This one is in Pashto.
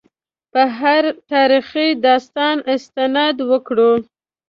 په هر تاریخي داستان استناد وکړو.